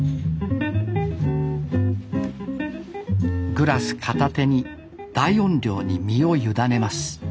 グラス片手に大音量に身を委ねます